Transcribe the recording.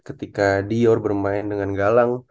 ketika dior bermain dengan galang